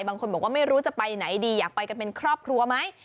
บางคนบอกว่าไม่รู้จะไปไหนดีอยากไปกันเป็นครอบครัวไหม